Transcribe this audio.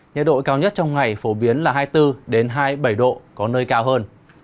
nhiệt độ cao nhất trong ngày phổ biến là hai mươi bốn hai mươi bảy độ có nơi cao hơn